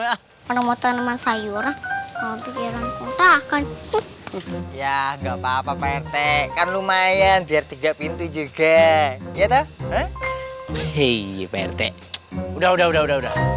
ya nggak papa papa rt kan lumayan biar tiga pintu juga ya teh hei pt udah udah udah udah